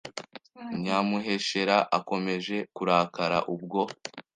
Nyamuheshera akomeje kurakara ubwo